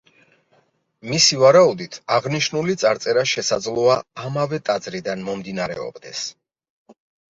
მისი ვარაუდით აღნიშნული წარწერა შესაძლოა ამავე ტაძრიდან მომდინარეობდეს.